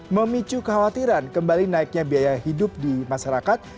memicu kekhawatiran kembali naiknya biaya hidup di masyarakat